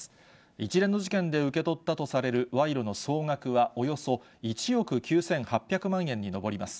一連の事件で受け取ったとされる賄賂の総額はおよそ１億９８００万円に上ります。